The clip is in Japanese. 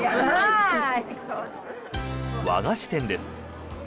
和菓子店です。